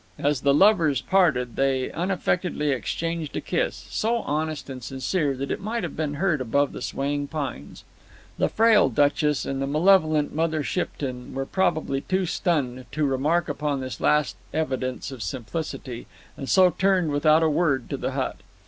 As the lovers parted, they unaffectedly exchanged a kiss, so honest and sincere that it might have been heard above the swaying pines. The frail Duchess and the malevolent Mother Shipton were probably too stunned to remark upon this last evidence of simplicity, and so turned without a word to the hut.